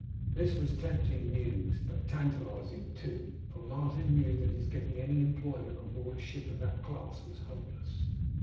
This was tempting news, but tantalising too; for Martin knew that his getting any employment on board a ship of that class was hopeless.